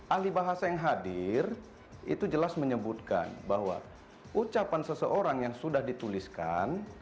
ahli bahasa yang hadir itu jelas menyebutkan bahwa ucapan seseorang yang sudah dituliskan